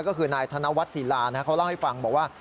ก็คือนายธนวัฒนศิลาเขาเล่าให้ฟังบอกว่า